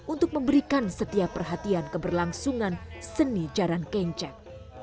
untuk memberikan setiap perhatian keberlangsungan seni jaran kencak